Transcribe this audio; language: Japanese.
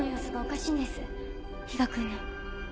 比嘉君の。